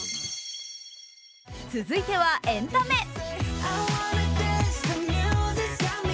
続いてはエンタメ。